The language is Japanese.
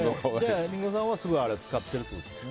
リンゴさんはすぐ使ってるってことですね。